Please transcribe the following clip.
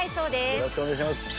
よろしくお願いします。